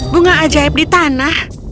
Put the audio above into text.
bunga ajaib di tanah